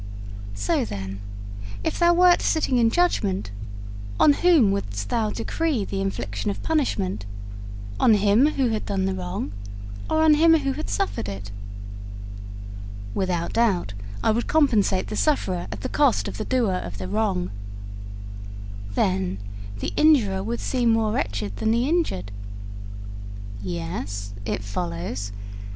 'So, then, if thou wert sitting in judgment, on whom wouldst thou decree the infliction of punishment on him who had done the wrong, or on him who had suffered it?' 'Without doubt, I would compensate the sufferer at the cost of the doer of the wrong.' 'Then, the injurer would seem more wretched than the injured?' 'Yes; it follows.